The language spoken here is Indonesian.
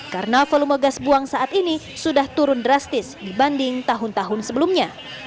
karena volume gas buang saat ini sudah turun drastis dibanding tahun tahun sebelumnya